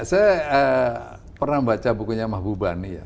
saya pernah baca bukunya mahbubani ya